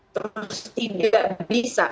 terus tidak bisa